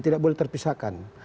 tidak boleh terpisahkan